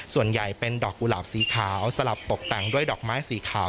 ส่วนใหญ่เป็นดอกกุหลาบสีขาวสลับตกแต่งด้วยดอกไม้สีขาว